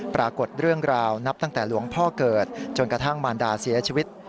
ปรากฏเรื่องราวนับตั้งแต่หลวงพ่อเกิดจนกระทั่งมารดาเสียชีวิต